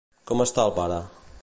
Com està el pare?